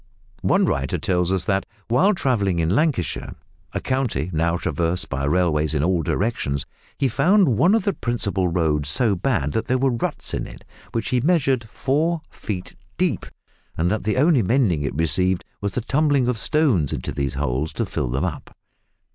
One writer tells us that, while travelling in Lancashire, a county now traversed by railways in all directions, he found one of the principal roads so bad that there were ruts in it, which he measured, four feet deep, and that the only mending it received was the tumbling of stones into these holes to fill them up.